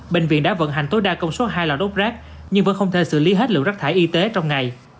bệnh viện đã vận hành tối đa công suất hai lò đốt rác nhưng vẫn không thể xử lý hết lượng rác thải y tế trong ngày